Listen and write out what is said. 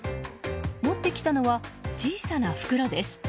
持ってきたのは小さな袋です。